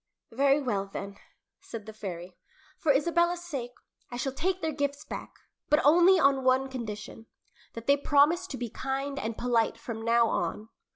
"Very well, then," said the fairy. "For Isabella's sake, I shall take their gifts back, but only on one condition that they promise to be kind and polite from now on."